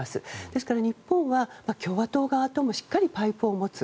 ですから日本は共和党側ともしっかりパイプを持つ。